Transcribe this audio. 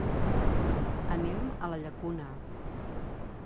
Anem a la Llacuna.